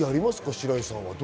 白井さんは。